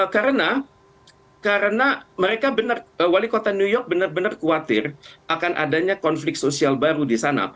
karena mereka wali kota new york benar benar khawatir akan adanya konflik sosial baru di sana